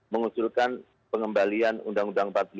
mengusulkan pengembalian uu empat puluh lima